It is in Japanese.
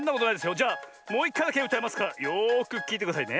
じゃあもういっかいだけうたいますからよくきいてくださいね。